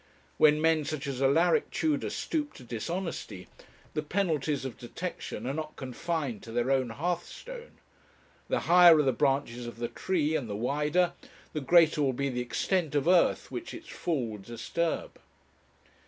When men such as Alaric Tudor stoop to dishonesty, the penalties of detection are not confined to their own hearthstone. The higher are the branches of the tree and the wider, the greater will be the extent of earth which its fall will disturb.